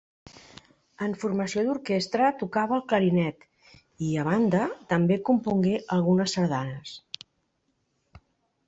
En formació d'orquestra tocava el clarinet i, a banda, també compongué algunes sardanes.